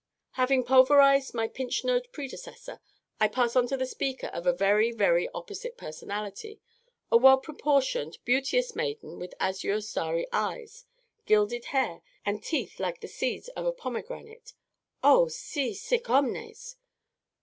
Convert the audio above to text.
"Having pulverised my pinched nose predecessor, I pass on to a speaker of a very very opposite personality the well proportioned, beauteous maiden with azure starry eyes, gilded hair, and teeth like the seeds of a pomegranate (oh, _si sic omnes!